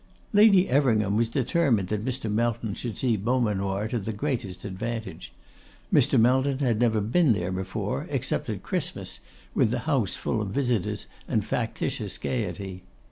Lady Everingham was determined that Mr. Melton should see Beaumanoir to the greatest advantage. Mr. Melton had never been there before, except at Christmas, with the house full of visitors and factitious gaiety.